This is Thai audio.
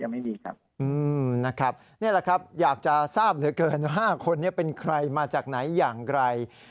นี่แหละครับอยากจะทราบเหลือเกิน๕คนเป็นใครมาจากไหนอย่างไร